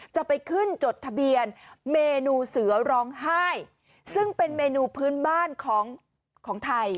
จะไปขึ้นจดทะเบียนเมนูเสือร้องไห้ซึ่งเป็นเมนูพื้นบ้านของของไทย